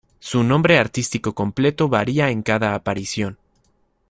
Su nombre artístico completo varía en cada aparición.